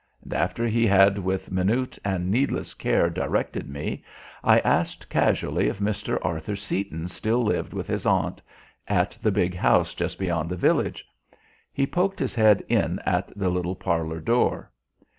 And after he had with minute and needless care directed me, I asked casually if Mr. Arthur Seaton still lived with his aunt at the big house just beyond the village. He poked his head in at the little parlour door.